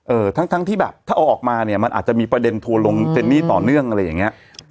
ทั้งทั้งที่แบบถ้าเอาออกมาเนี่ยมันอาจจะมีประเด็นทัวร์ลงเจนนี่ต่อเนื่องอะไรอย่างเงี้ย